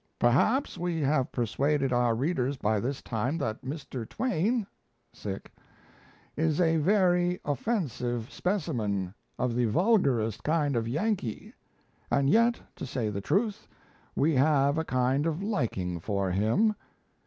"Perhaps we have persuaded our readers by this time that Mr. Twain is a very offensive specimen of the vulgarest kind of Yankee. And yet, to say the truth, we have a kind of liking for him.